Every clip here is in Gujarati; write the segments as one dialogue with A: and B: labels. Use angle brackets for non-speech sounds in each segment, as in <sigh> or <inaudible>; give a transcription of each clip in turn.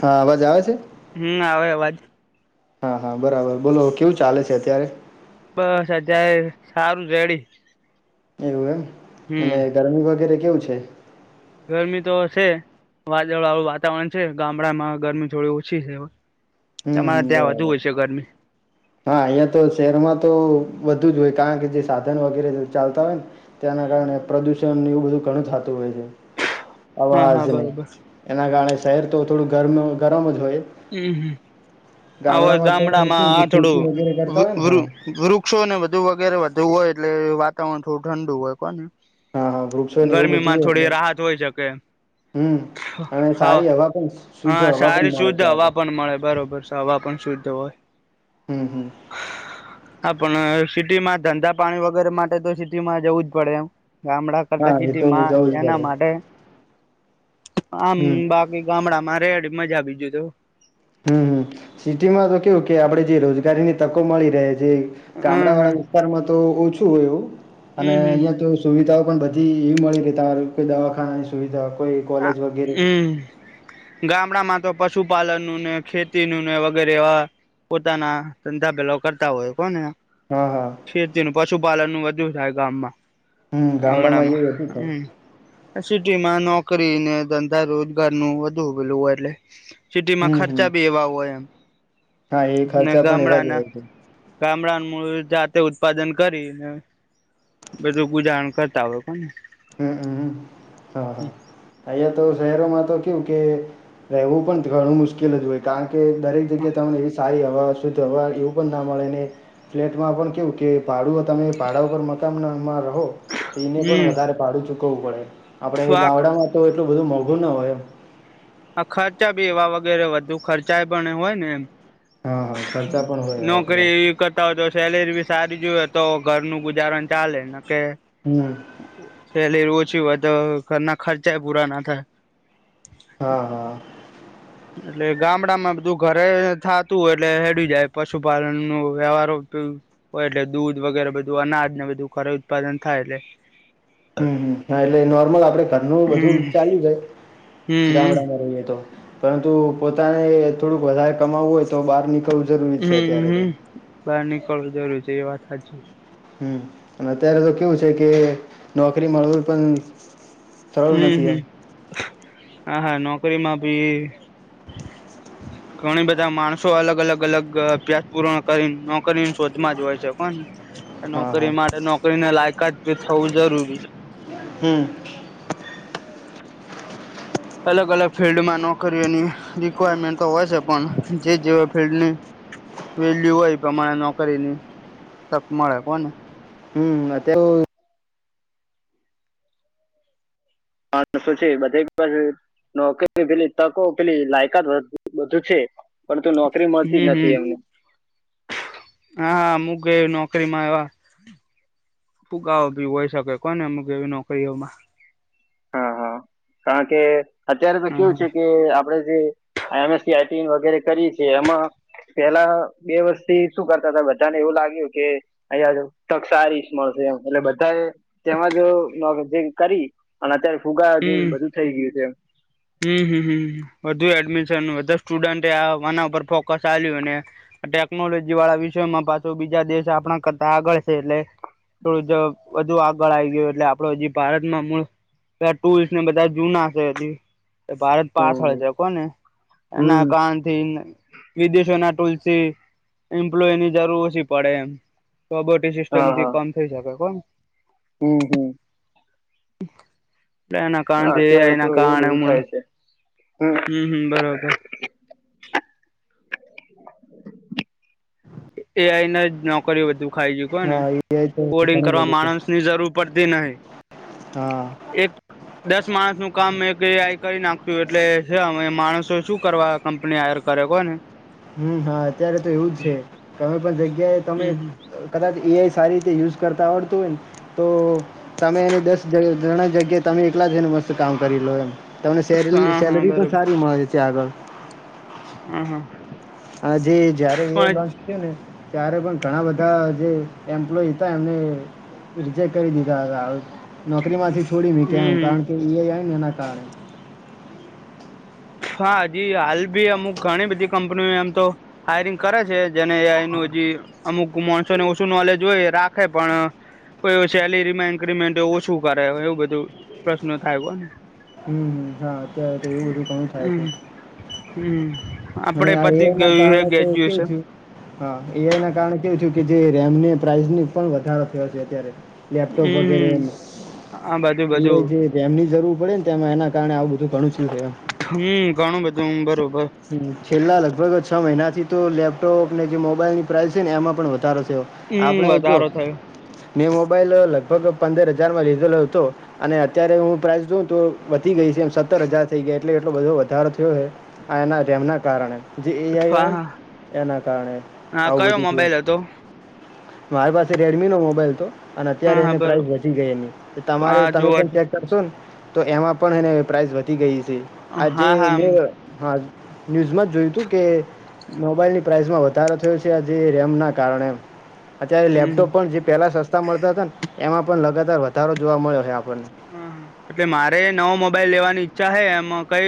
A: હા અવાજ આવે છે.
B: હમ આવે અવાજ
A: હા હા બરાબર બોલો કેવું ચાલે છે અત્યારે
B: બસ અજ્યારે સારું રેડી
A: એવું એમ
B: હમ
A: અને ગરમી વગેરે કેવું છે.
B: ગરમી તો હ છે. વાદળ વાળું વાતાવરણ છે ગામડામાં ગરમી થોડી ઓછી છે.
A: હમ
B: તમારે
A: હમ
B: ત્યાં વધુ
A: બરાબર
B: હોય છે ગરમી
A: <inaudible> હા અહિયાં તો શહેરમાં તો બધું જ હોય કારણ કે જે સાધન વગેરે ચાલતા હોય ને તેના કારણે પ્રદુષણ એવું બધું ઘણું થતું હોય છે
B: હા
A: અવાજ
B: હા
A: ન
B: બરોબર
A: એના કારણે શહેર તો થોડું ગરમ ગરમ જ હોય
B: હમ હમ હવે
A: તો શું
B: ગામડામાં
A: કે
B: આ
A: ખેતી વગેરે કરતા હોય ને હા
B: થોડું વૃશો ને વધુ વગેરે વધુ હોય એટલે વાતાવરણ થોડું ઠંડુ હોય બાકી
A: હા હા વૃક્ષો ને એવું બધું
B: ગરમીમાં
A: હોય
B: થોડી
A: એટલે
B: રાહત હોય શકે
A: હમ અને
B: હા
A: સારી હવા પણ શુદ્ધ
B: હા
A: હવા પણ
B: સારી
A: મળે
B: શુદ્ધ
A: ત્યાં
B: હવા
A: આગળ
B: પણ મળે બરોબર હવા પણ શુદ્ધ હોય
A: હમ હમ
B: હા પણ સિટીમાં ધંધા પાણી વગેરે માટે તો સિટીમાં જવું જ પડે એમ ગામડા કરતા
A: હા એ
B: સિટી
A: તો જવું
B: માં
A: જ
B: એના
A: પડે
B: માટે આમ
A: હમ
B: બાકી ગામડા માં રેડી મજા બીજું તો
A: હમ સિટીમાં તો કેવું કે આપડે જે રોજગારીની તકો મળી રહે છે ગામડા
B: હમ હમ
A: વાળા તો ઓછું હોય અને
B: હમ
A: અહીંયા તો સુવિધાઓ પણ બધી એ મળી રહેતા કોઈ દવાખાનાની સુવિધા કોઈ કોલેજ વગેરે
B: ગામડા માં તો પશુપાલન નું ને ખેતી નું ને વગેરે એવા પોતાના ધંધા પેલો કરતા હોય કોને
A: હા હા
B: ખેતી નું પશુપાલન નું વધુ થાય ગામમાં
A: હમ ગામડામાં એ વધું થાઈ
B: સિટીમાં નોકરીને ધંધા રોજગાર નું વધુ ઉભેલું હોય એટલે સિટીમાં
A: હમ હમ
B: ખર્ચા બી એવા હોય
A: હા એ
B: અને
A: ખર્ચા પણ એવા જ
B: ગામડાના
A: હોય છે
B: ગામડા મૂળ જાતે ઉત્પાદન કરી ને બધું ગુજાહણ કરતા હોય
A: હમ હમ હ હા અહીંયા તો શહેરોમાં તો કેવું કે રહેવું પણ ઘણું મુશ્કેલ જ હોય કારણ કે દરેક જગ્યાએ તને એવી સારી હવા હવા એવું પણ ના મળે ને ફ્લેટમાં પણ કેવું કે ભાડું તમે ભાડા પરર મકાનમાં રહો તો એને પણ
B: હમ
A: વધારે ભાડું ચૂકવવું પડે આપડે એ
B: આ
A: ગામડામાં તો એટલું બધું મોંઘું ના હોય
B: આ ખર્ચા બી એવા વગેરે વધુ ખર્ચા એ પણ હોય ને એમ
A: હા હા ખર્ચા પણ હોય એવા બધા
B: નોકરી કરતા હોય તો સેલેરી બી સારી જોઈએ તો ઘરનું ગુજારણ ચાલેને કે
A: હમ
B: સેલેરી ઓછી તો ઘરના ખર્ચા પૂરા ના થાય
A: હા, હા
B: એટલે ગામડામાં બધું ઘરે થાતું હોય એટલે હેડી જાય પશુપાલનનું વ્યવહારો હોય એટલે દૂધ વગેરે બધું અનાજ ને બધું ખરે ઉત્પાદન થાય એટલે
A: હમ એટલે નોર્મલ આપડે ઘરનું બધું
B: હમ
A: ચાલી જાય
B: હમ
A: ગામડામાં રહીયએ તો પરંતુ પોતાને થોડુંક વધારે કમાવું હોય તો બાર નીકળવું કરવું જરૂરી છે
B: હમ
A: અત્યારે તો
B: હમ. બહાર નીકળવું જરૂર છે એ વાત સાચી
A: હમ અને અત્યારે તો કેવું છે કે નોકરી મળવી પણ સરળ
B: હમ
A: નથી એમ
B: હમ હા હા નોકરીમાં બી ઘણી બધા માણસો અલગ અલગ અલગ અભ્યાસ પૂરણ કરી નોકરીને શોધમાં જ હોય છે પણ
A: હા હા
B: નોકરી માટે નોકરીને લાયકાત ભી થવું જરૂરી.
A: હમ.
B: અલગ અલગ ફિલ્ડમાં નોકરીઓની રિક્વાયરમેન્ટ તો હોય છે પણ જે જેવા ફિલ્ડની. વેલ્યુ હોય પ્રમાણે નોકરીની તક મળે હોને.
A: <inaudible> હા શું છે. <unintelligible> નોકરી પેલી તકો પેલી લાયકાત બધુ છે પરંતુ નોકરી મળતી જ
B: હમ
A: નથી
B: હમ
A: એમને.
B: હા હા મુંગે નોકરી માં એવા ફુગા ભી હોય શકે કોને મુકે એવી નોકરીઓમાં.
A: હા, હા કારણ કે અત્યારે તો
B: હ
A: કેવું છે કે આપડે જે એમએસસી આઈટી વગેરે કરીએ છી એમાં પેલા બે વર્ષ થી શું કરતા હતા બધાને એવું લાગ્યું કે અહીંયા જો તક સારી મળશે એમ એટલે બધા તેમાંજ જે <unintelligible> કરી અને અત્યારે ફુગા જે
B: હમ
A: બધું થઈ ગયું છે.
B: હમ, હમ, હમ વધુ એડમિશન બધા સ્ટુડન્ટના ઉપર ફોકસ. <unintelligible> ટેકનોલોજી વાળા વિષયમાં પાછો બીજા દેશ આપણા કરતા આગળ છે એટલે થોડું જ વધુ આગળ આવી ગયું એટલે આપડો હજી ભારતમાં મુળ ટુલ્સને બધા જૂના છે. ભારત
A: હમ
B: પાછળ છે કોને એના
A: હમ
B: કારણથી વિદેશોના ટુલથી એમ્પ્લોયની જરૂર ઓછી પડે એમ.
A: હા
B: સિસ્ટમથી
A: હા
B: કમ થઈ શકે કોમ.
A: હમ, હમ.
B: એના
A: હા,
B: કારણથી એ
A: અત્યારે
B: આઈ
A: તો એવું બધું
B: કારણે
A: થાય <inaudible>
B: હમ, હમ બરોબર. એ આઈને જ નોકરી બધું ખાઈ છે કો ને
A: હા એ તો
B: કોડિંગ
A: ઘણું
B: કરવા
A: બધું
B: માણસ ની જરૂર પડતી નહિ.
A: હા
B: એક દસ માણસનું કામ એક આ કરી નાખશું એટલે છે. અમે માણસો શું કરવા કંપની હાયર કરે કોને?
A: હમ, હા અત્યારે તો એવું જ છે કમે પણ જગ્યાએ તમે
B: હમ હમ
A: કદાચ એ આઈ સારી રીતે યુઝ કરતાં આવડતું હોય ને તો તમે એને દસ ઘણા જગ્યા તમે એકલા જને મસ્ત કામ કરી લો એમ. તમને સેલ
B: હા હા
A: સેલરી પણ
B: બરોબર
A: સારી મળે છે આગળ.
B: હ, હા.
A: આજે જયારે એ આઈ
B: પણ
A: લોન છે ને ત્યારે પણ ઘણા બધા જે એમ્પ્લોય હતા એમને રિજેક્ટ કરી દીધા હતા. હ, નોકરી માંથી છોડી મે કેમ કારણ
B: હમ
A: કે એ આઇ આયીને એના કારણે.
B: હા, હજી હાલ ભી અમુક ઘણી બધી કંપનીઓ એમ તો હાયરિંગ કરે છે જેને એનું હજી અમુક માણસો ને ઓછું નોલેજ હોય રાખે પણ કોઈ સેલેરીમાં ઈન્ક્રીમેન્ટ એવ શું કરે એવું બધું પ્રશ્ન થાય ને
A: હમ હમ હા અત્યારે તો એવું બધું ઘણું થાય છે
B: હમ હમ, આપડે
A: અને
B: એ
A: આ એઆઈ
B: પથી
A: ના
B: ગયું હે
A: કારણે તો કેવું
B: ગ્રેજ્યુએશન.
A: થયું હા એ આઈના કારણે કેવું છેું કે જે રેમને પ્રાઇસની પણ વધારો થયો છે અત્યારે. લેપટોપ વગેરે
B: હમ
A: એને
B: આ બધું બધું
A: એમની જરૂર પડે ને તેમ એના કારણે આવું બધું ઘણું <unintelligible> એમ.
B: હમ ઘણું બધું બરોબર.
A: હ છેલ્લા લગભગ છ મહિનાથી તો લેપટોપ ને જે મોબાઈલની પ્રાઇસ છે ને એમાં પણ વધારો છે.
B: હમ
A: આપણે જો
B: વધારો થયો
A: મે મોબાઈલ લગભગ પંદર હજારમાં લીધેલો હતો. અને અત્યારે હું પ્રાઇસ જોઉં તો વધી ગઈ છે એમ સત્તર હજાર થઇ ગયા એટલે એટલો બધો વધારો થયો છે. આ એના રેમના કારણે. જે એ આઇ
B: હા હા
A: એના કારણે
B: હા
A: આવું
B: કયો
A: બધું થયું.
B: મોબાઈલ હતો
A: મારી પાસે રેડમીનો મોબાઈલ હતો અને
B: હા
A: અત્યારે
B: હા
A: એને પ્રાઇસ
B: બરોબર
A: વધી ગઈની તમારે
B: હા
A: તમે પણ
B: જોવા
A: ચેક કરશોને તો એમાં પણ એને પ્રાઇસ વધી ગઈ છે. આ જે
B: હા હા
A: મે હા ન્યૂઝમાં જ જોયું તું કે મોબાઈલ ની પ્રાઇસમાં વધારો થયો છે આજ રેમ ના કારણે અત્યારે
B: હમ
A: લેપટોપ પણ જે પેલા સસ્તા મળતા હતા ને એમાં પણ લગાતાર વધારો જોવા મળ્યો છે આપણને <inaudible>
B: એટલે મારે નવો મોબાઈલ લેવાની ઈચ્છા હ એમાં કય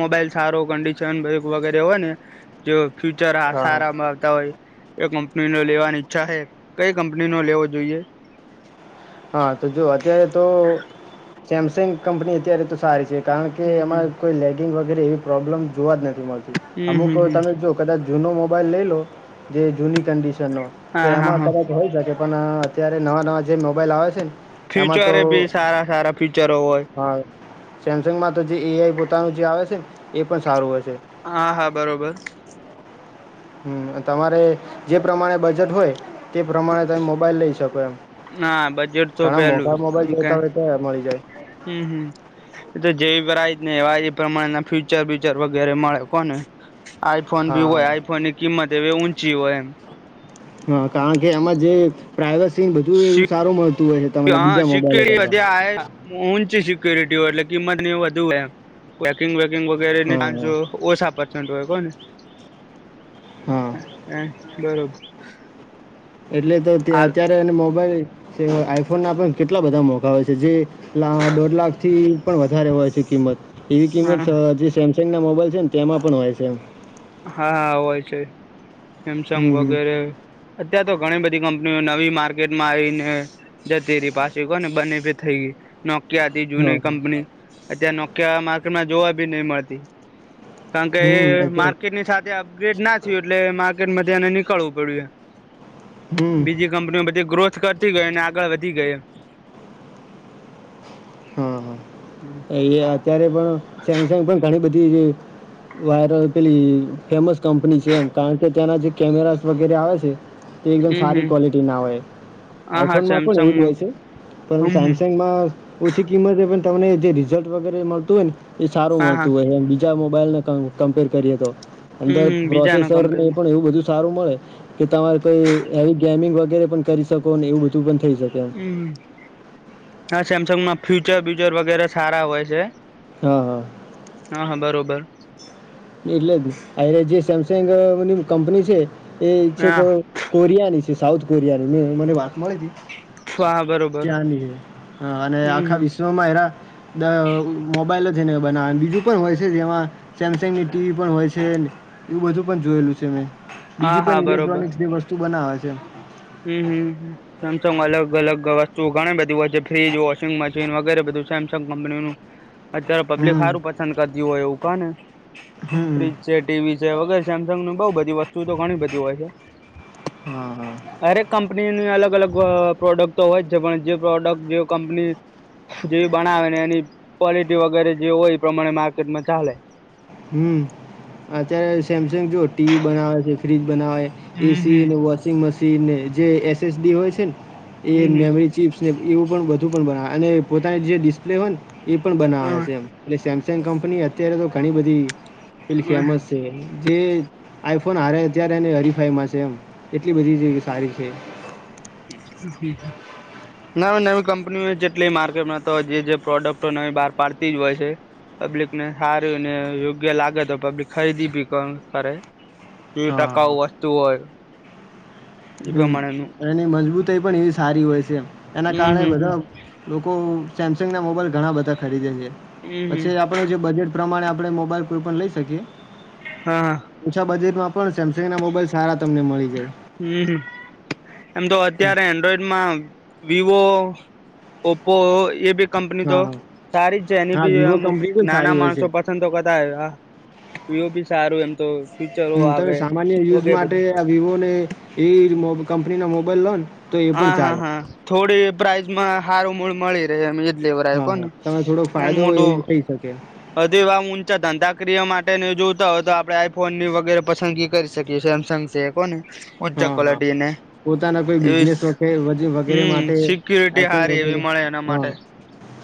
B: મોબાઈલ સારો કંડિશ નક વગેરે હોય ને જે ફ્યુચર
A: હા હા
B: સારા માં આવતા હોય એ કંપની નો લેવાની ઈચ્છા છે કઈ કંપની નો લેવો જોઈએ
A: હા તો જો અત્યારે તો સેમસંગ કંપની અત્યારે તો સારી છે કારણ કે
B: હમ હમ
A: એમાં કોઈ લેગિંગ વગેરે એવી પ્રોબ્લેમ જોવા જ નથી મળતી
B: હમ
A: અમુક
B: હમ હમ
A: તમે જો કદાચ જૂનો મોબાઈલ લઈ લો જે જૂની કંડિશન ન તો
B: હા હા
A: એમાં
B: હા
A: કદાચ હોય શકે લોકો અત્યારે નવા નવા જે મોબાઈલ આવે છે ને એમાં તો
B: ફ્યુચરે બી સારા સારા ફ્યુચરો હોય
A: હા સેમસંગમાં તો જે એઆઈ પોતાનું જે આવે છે ને એ પણ સારું હ છે
B: હા હા બરોબર
A: હમ તમારે જે પ્રમાણે બજેટ હોય તે પ્રમાણે તમે મોબાઈલ લઈ શકો એમ
B: ના બજેટ તો
A: ઘણા મોટા
B: પેલું કેમ
A: મોબાઈલ
B: કે
A: જોતા હોય તો મળી જાય
B: હમ હમ એ તો જેવીય જ ને એવા એ પ્રમાણેના ફ્યુચર બ્યુચર વગેરે મળે કોને આઈફોન બી
A: હા
B: હોય
A: હા
B: આઈફોનની કિંમત એવી ઊંચી હોયમ
A: હા કારણ કે એમાં જે પ્રાઇવસી બધુંય એવું સારું મળતું હોય છે તમને
B: હા
A: બીજા
B: સિક્કે
A: મોબાઈલો કરતાં.
B: અધ્યા આ ઊંચી સિક્યુરિટી એટલે કિંમત ની એ વધુ એમ પેકિંગ વેકિંગ વગેરે
A: હા હા
B: ઓછા પચન્ટ હોય કોહ ને
A: હા
B: બરોબર
A: એટલે તો ત
B: હાલ
A: ત્યા મોબાઈલ આઈફોન ના પણ કેટલા બધા મોકા હોય છે જે દોઢ લાખ થી પણ વધારે હોય છે કિંમત એવી કિંમત
B: હા
A: જે સેમસંગ ના મોબાઈલ છે ને તેમાં પણ હોય છે એ
B: હા હા હોય છે સેમસંગ
A: હમ હમ.
B: વગેરે અત્યાર તો ઘણી બધી કંપનીઓ નવી માર્કેટમાં આવીને જ તેરી પાછી કો ને બને ભે થઈ ગઈ નોકિયા હતી
A: હા
B: જૂની
A: હા.
B: કંપની અત નોકિયા માર્કેટમાં જોવા બી નહી મળતી કારણ કે
A: હમ
B: માર્
A: અત્યારે
B: અપગ્રેડ ના થયું એટલે માર્કેટમાંને નીકળવું પડ્યું
A: હમ
B: બી કંપની બધી ગ્રોથ કરતી ગઈ અને આગળ વધી ગઈ
A: હા હા એ અત્યારે પણ સેમસંગ પણ ઘણી બધી વાયરલ પેલી ફેમસ કંપની છે એમ કારણ કે ત્યાંના જે કેમેરા વગેરે આવે છે તે એકદમ
B: હમ
A: સારી
B: હમ
A: ક્વોલિટીના હોય
B: હા હા
A: આઇફોનમાં પણ એવું જ હોય
B: સેમસંગમાં
A: છે પરંતુ
B: હમ હમ
A: સેમસંગમાં ઓછી કિંમતે પણ તમને જે રિઝલ્ટ વગેરે મળતું હોય ને એ સારું
B: હા હા
A: મળતું હોય બ મોબાઈલને કમ્પેર કરીએ તો અંદર
B: હમ બીજાના
A: પ્રોસેસર ને
B: કમ્પેરમાં
A: પણ એવું બધું સારું મળે કે તમારે કોઈ હેવી ગેમિંગ વગેરે પણ કરી શકો ને એવું બધું પણ થઈ શકે એમ
B: હમ હા સેમસંગમાં ફ્યુચર બ્યુચર વગેરે સારા હોય છે
A: હા હા
B: હા હા બરાબર
A: એટલે જ અરે જે સેમસંગ ની કંપની છે એ છે
B: હા
A: કે કોરિયા ની છે સાઉથ કોરિયાની મે મને વાત મળી
B: ખવા હ બર
A: ત્યાંની હ અને આખા વિશ્વમાં હરા મોબાઈલ જ એને બના બીજું પણ હોય છે જેમાં સેમસંગ ની ટીવી પણ હોય છે એવું બધું પણ જોયેલું છે મેં
B: હા
A: બીજી
B: હા
A: પણ
B: બરોબર
A: ઇલેક્ટ્રોનિક્સ જે વસ્તુ બનાવે છે.
B: હમ હમ હ સેમસંગમાં અલગ અલગ વસ્તુ ઘણી બધી હોય છે. ફ્રીજ, વોશિંગ મશીન વગેરે બધું સેમસંગ કંપનીનું
A: હ
B: અત્યારે પબ્લિક સારું પસંદ કરતી હોય એવું કાને,
A: હમ
B: ફ્રીજ જે ટીવી છે વગેરે સેમસંગ ની બઉ બધી વસ્તુઓ તો ઘણી બધી હોય છે.
A: હમ હ
B: હરેક કંપનીની અલગ અલગ પ્રોડક્ટ તો હોય જ છે, પણ જે પ્રોડક્ટ જે કંપની જેવી બનાવે ને એની ક્વોલિટી વગેરે જે હોય એ પ્રમાણે માર્કેટમાં ચાલે.
A: હમ અત્યારે સેમસંગ જોુ ટીવી બનાવે છે ફ્રીજ બનાવે છે.
B: હમ
A: એસીને વોશિંગ મશીનને જે એસએસડી હોય છે ને એ
B: હમ
A: મેમરી ચીપ એવું પણુ બના અને પોતાની જે ડિસ્પ્લે હોય ને એ પણ બનાવા
B: હમ
A: છે. એ સેમ કંપની અત્યારે તો ઘણી બધી ફ
B: હમ
A: ફેમસ છે. જે આઈફોન હારે અત્યારે એને હરીફાઈમાં છે એમ, એટલી બધી છે સારી છે.
B: હમ હ ના નવી કંપનીઓ જેટલી માર્કેટમાં તો જે જે પ્રોડક્ટો નવી બહાર પાડતી જ હોય છે. પબ્લિક ને સારી ને યોગ્ય લાગે તો પબ્લિક ખરીદી ભી કરે. ક ટકાઉ
A: હા
B: વસ્તુ હોય. એ
A: હમ
B: પ્રમાણેનું
A: એની મજબૂતાઈ પણ એવી સારી હોય છે એના
B: હમ
A: કારણે
B: હમ હમ
A: બધા લોકો સેમસંગ ના મોબાઈલ ઘણા બધા ખરીદે છે.
B: હમ હમ
A: પછી આપ આપ જે બજેટ પ્રમાણે આપણે મોબાઈલ કોઈ પણ લઈ શકીએ.
B: હા હા
A: ઓછા બજેટમાં પણ ને સેમસંગ ના મોબાઈલ સારા તમને મળી જાય.
B: હમ એમ તો
A: હમ.
B: અત્યારે એન્ડ્રોઈડમાં વિવો, ઓપો એ ભી કંપની
A: હા
B: તો
A: હા.
B: સારી જ છે, એની
A: હા
B: બી
A: વિવો કંપની પણ સારી
B: નાના
A: હોય
B: માણસો
A: છે.
B: પર પ તો કરતા આવ હું બી સારું એમ તો ફીચરો
A: હમ તમે
B: આવે
A: સામાન્ય યુઝ
B: વગેરે
A: માટે
B: બધું
A: આ વિવો ને એ કંપની ના મોબાઈલ લો તો એ પણ
B: હા હા
A: ચાલે
B: હા થોડી પ્રાઇઝમાં હારું મૂળ મળી રહે એમ. લેવર આવ કો
A: હા હા તમે થોડોક
B: ના
A: ફાયદો
B: મોટું
A: એવું થઈ શકે
B: હધે એવા ઊંચા ધંધાક્રિયા માટે જોતા હોય તો આપડે આઈફોન ની વગેરે પસંદગી કરી શકીએ સેમસંગ છે કો ને ઊંચા
A: હા હા.
B: ક્લિટી ને
A: પોતાના કોઈ
B: એવી
A: બિઝનેસ વે વગેરે
B: હમ
A: માટે
B: સિક્યુરિટી
A: આઈકોન
B: હારી એવી
A: વગેરે
B: મળે એના
A: હ
B: માટે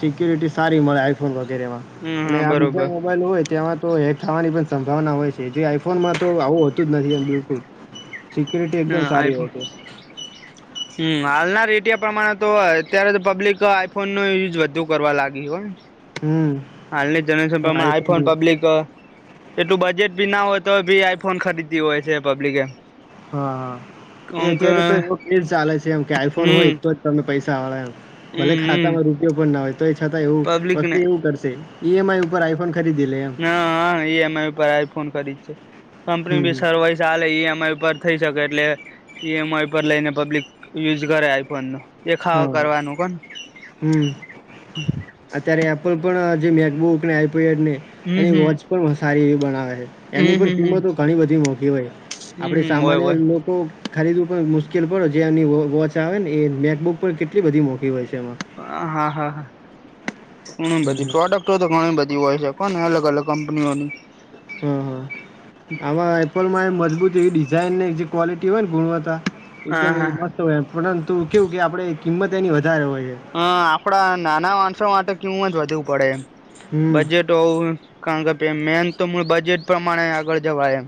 A: સિક્યુરિટી સારી મળે આઈફોન વગેરે માં
B: હમ
A: અને
B: હ
A: આ બીજા
B: બરોબર
A: મોબાઈલ હોય ત્યાંમાં તો હેક થવાની પણ સંભાવના હોય છે જે આઈફોનમાં તો આવું હોતું જ નથી એમ બિલકુલ સિક્યુરિટી
B: હ
A: એકદમ સારી
B: આઈફોન
A: હોય છે.
B: હમ હાલના રેટિયા પ્રમાણે તો અત્યારે તો પબ્લિક આઈફોન નો યુઝ વધુ કરવા લાગી હોય.
A: હમ
B: હાલની જનરેશનમા આઈફોન પબ્લિક એટલું બજેટ ભી ના હોય તો બી આઈફોન ખરીતી હોય છે પબ્લિકે
A: હા હા એ
B: કોંક
A: અત્યારે તો એ ફજ ચાલે છે એમ કે આઈફોન હોય
B: હમ
A: તો તમે પૈસા વાળ એમ
B: હમ
A: ભલે
B: હમ
A: ખાતામાં રૂપિયો પણ ના હોય તો એ છતાં એવું
B: પબ્લિક
A: વસ્તુ
B: ને
A: એવું કરશે ઈમઆઈ ઉપર આઈફોન ખરીદી લે એમ?
B: હા હા ઇ એમ આઈ પર આઈ ફોન કરી છે કંપની
A: હમ
B: ભી
A: હમ
B: સવા <inaudible> ચાલે એ અમારી ઉપર થઈ શકે એટલે ઈ એમ આઈ પર લઈને પબ્લિક યુઝ કરે આઈફોન ને.
A: હા હમ અત્યારે એપલ પણ જે મેકબુક ને આઈપેડ ને
B: હમ
A: એની
B: હમ
A: વોચ પણ સારી એવી બનાવે છે.
B: હમ
A: એની પણ
B: હમ હમ
A: કિંમતો ઘણી બધી મોખી હોય
B: હમ
A: આપડે
B: હમ હોય
A: સામાન્ય
B: હોય
A: લોકો ખરીદવું પણ મુશ્કેલ પડે જે એની વોચ આવે ને એ મેકબુક પર કેટલી બધી મોકીી હોય છે એમાં.
B: હા હા હા હ
A: હમ,
B: બધું
A: હમ.
B: પ્રોડક્ટ. તો ઘણી બધી હોય છેકો ને અલગ અલગ કંપનીઓની.
A: હમ હમ. આમાં એપલ માં એ મજબૂત એવી ડિઝાઇન ને જે ક્વોલિટી હોય ને ગુણવત્તા.
B: હા
A: એકદમ એ
B: હા
A: મસ્ત હોયમ પરંતુ કેવું કે આપડે કિંમત એની વધારે હોય છે.
B: હ આપડા નાના માણસો માટે કેવ જ વધુ પડે
A: હમ.
B: બજેટ. તો કારણ કે ભ મેન તો બજેટ પ્રમાણે આગળ જવાયમ.